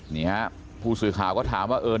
นี่ฮะผู้สื่อข่าวก็ถามว่าเออ